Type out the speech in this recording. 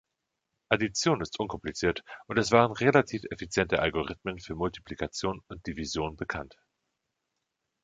Addition ist unkompliziert, und es waren relativ effiziente Algorithmen für Multiplikation und Division bekannt.